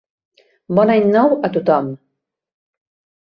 Bon any nou a tothom!